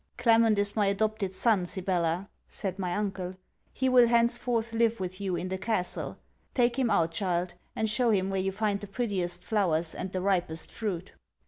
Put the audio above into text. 'Clement is my adopted son, Sibella,' said my uncle. He will henceforth live with you in the castle. Take him out child; and show him where you find the prettiest flowers and the ripest fruit.'